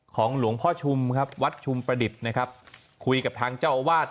ของหลวงพ่อชุมครับวัดชุมประดิษฐ์นะครับคุยกับทางเจ้าอาวาส